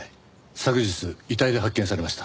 昨日遺体で発見されました。